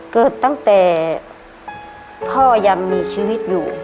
เกิดตั้งแต่พ่อยังมีชีวิตอยู่